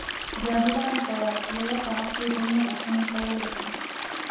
جاهلان په یوه ساعت کې دومره پوښتنې کولای شي.